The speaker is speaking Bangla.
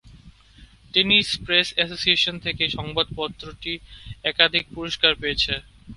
টেনেসি প্রেস অ্যাসোসিয়েশন থেকে সংবাদপত্রটি একাধিক পুরস্কার পেয়েছে।